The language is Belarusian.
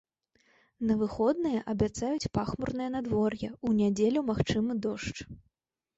На выходныя абяцаюць пахмурнае надвор'е, у нядзелю магчымы дождж.